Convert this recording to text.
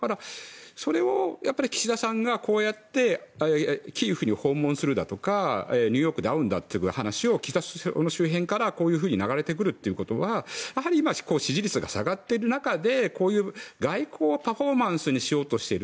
それを岸田さんがこうやってキーウに訪問するんだとかニューヨークで会うんだという話が岸田総理周辺からこういうふうに流れてくるということは今、支持率が下がっている中でこういう外交のパフォーマンスをしようとしている。